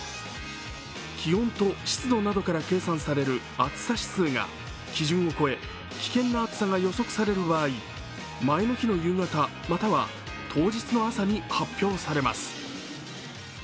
気温と湿度などから計算される暑さ指数が基準を超え危険な暑さが予測される場合、前の日の夕方、または当日の朝に発表されます。